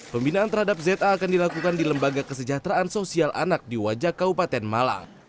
pembinaan terhadap za akan dilakukan di lembaga kesejahteraan sosial anak di wajah kabupaten malang